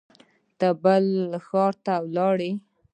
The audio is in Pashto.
ته بل ښار ته لاړې